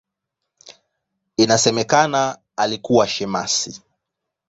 Inasemekana alikuwa shemasi.